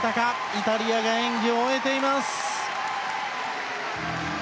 イタリアが演技を終えています。